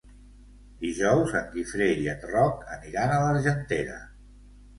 Dijous en Guifré i en Roc aniran a l'Argentera.